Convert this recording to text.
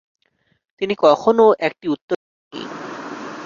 তিনি কখনও একটি উত্তর পাননি।